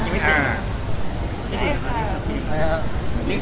เรียกดาวิบบ้างเรียกลิง